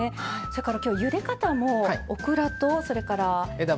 それからきょうゆで方もオクラとそれから枝豆。